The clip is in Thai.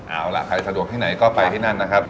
เอาล่ะใครสะดวกที่ไหนก็ไปที่นั่นนะครับ